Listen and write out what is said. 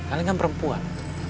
kalian kan perempuan